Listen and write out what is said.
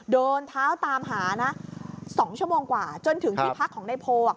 เดินเท้าตามหานะ๒ชั่วโมงกว่าจนถึงที่พักของนายโพ